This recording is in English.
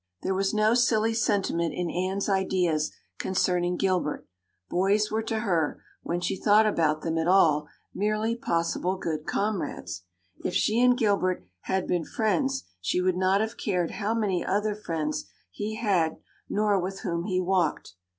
There was no silly sentiment in Anne's ideas concerning Gilbert. Boys were to her, when she thought about them at all, merely possible good comrades. If she and Gilbert had been friends she would not have cared how many other friends he had nor with whom he walked.